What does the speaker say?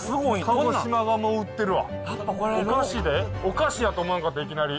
鹿児島がもう売ってるわ。